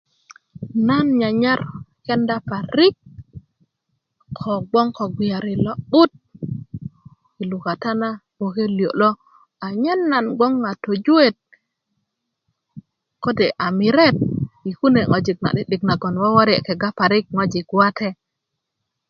nan nyanyar kenda parik kobgoŋ ko bgiyari lo'but i lukata na bgoke liyo lo anyen nan bgoŋ tojuet kode a mire i kune ŋojik na'di'dik na woworiye kega parik ŋojik wate